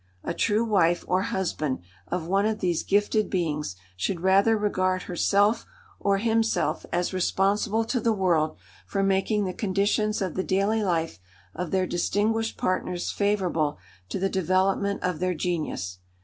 A true wife or husband of one of these gifted beings should rather regard herself or himself as responsible to the world for making the conditions of the daily life of their distinguished partners favourable to the development of their genius.